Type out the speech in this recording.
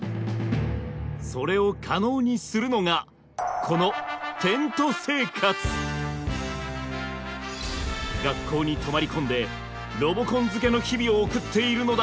それを可能にするのがこの学校に泊まり込んでロボコン漬けの日々を送っているのだ！